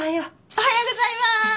おはようございます！